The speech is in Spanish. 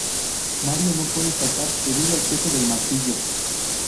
Mario no puede saltar debido al peso del martillo.